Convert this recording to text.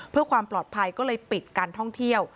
เพื่อความปลอดภัยก็เลยปิดการท่องเที่ยว